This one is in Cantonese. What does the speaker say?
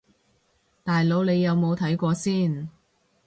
大佬你有冇睇過先